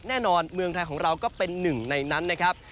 เมืองไทยของเราก็เป็นหนึ่งในนั้นนะครับ